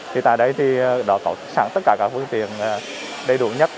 thì tại đây thì đã có sẵn tất cả các phương tiện đầy đủ nhất